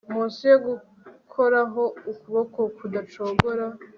munsi yo gukoraho ukuboko kudacogora